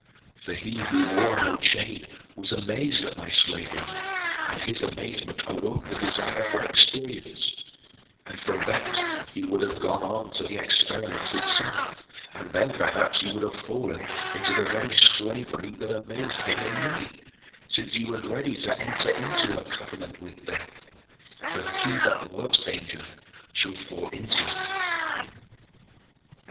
For he who wore no chain was amazed at my slavery, and his amazement awoke the desire for experience, and from that he would have gone on to the experiment itself, and then perhaps he would have fallen into the very slavery that amazed him in me, since he was ready to enter into "a covenant with death," for "he that loves danger shall fall into it."